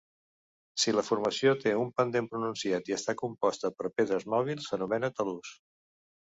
Si la formació té un pendent pronunciat i està composta per pedres mòbils, s'anomena talús.